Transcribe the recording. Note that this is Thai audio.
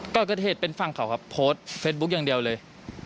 ก่อนเกิดเหตุเป็นฝั่งเขาครับโพสต์เฟซบุ๊คอย่างเดียวเลย